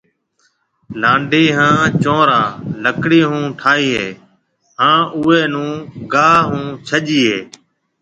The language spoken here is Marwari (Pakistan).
لانڊَي ھان چنورا لڪڙِي ھون ٺائيَ ھيََََ ھان اوئون نيَ گاھ ھون ڇجيَ ھيََََ